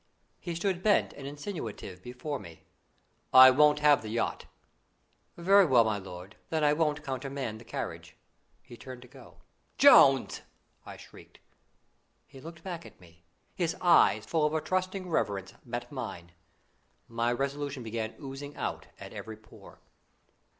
He stood bent and insinuative before me. "I won't have the yacht." "Very well, my lord; then I won't countermand the carriage." He turned to go. "Jones!" I shrieked. He looked back at me. His eyes, full of a trusting reverence, met mine. My resolution began oozing out at every pore.